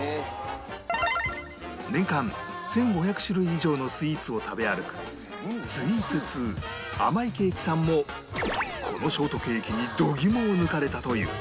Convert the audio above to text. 年間１５００種類以上のスイーツを食べ歩くスイーツ通あまいけいきさんもこのショートケーキに度肝を抜かれたという